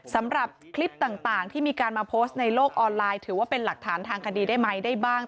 สำหรับคลิปต่างที่มีการมาโพสต์ในโลกออนไลน์ถือว่าเป็นหลักฐานทางคดีได้ไหมได้บ้าง